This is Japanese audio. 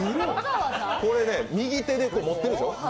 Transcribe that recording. これね、右手で持ってるでしょ？